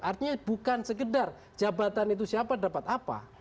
artinya bukan sekedar jabatan itu siapa dapat apa